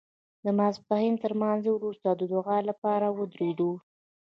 د ماسپښین تر لمانځه وروسته د دعا لپاره ودرېدو.